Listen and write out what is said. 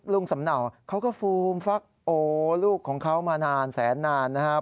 สำเนาเขาก็ฟูมฟักโอลูกของเขามานานแสนนานนะครับ